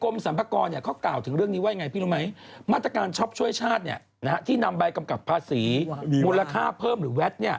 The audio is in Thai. มาตรการชอบช่วยชาติที่นำใบกำกัดภาษีมูลค่าเพิ่มหรือแวด